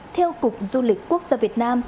theo cục du lịch quốc gia việt nam